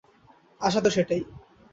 আশা তো সেটাই।